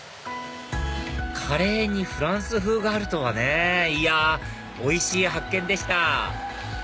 カレーにフランス風があるとはねいやおいしい発見でした！